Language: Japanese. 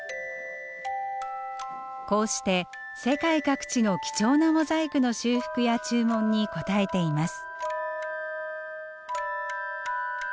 こうして世界各地の貴重なモザイクの修復や注文に応えています。